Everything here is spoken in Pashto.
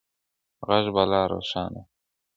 غږ به لا روښانه وي.